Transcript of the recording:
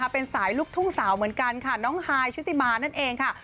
เป็นสายลูกทุ่งสาวเหมือนกันค่ะน้องฮายชุติมานั่นเองค่ะ